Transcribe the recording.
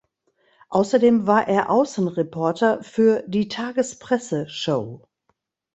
Außerdem war er Außenreporter für "Die Tagespresse Show".